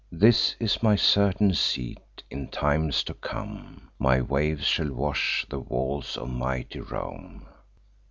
This is my certain seat. In times to come, My waves shall wash the walls of mighty Rome."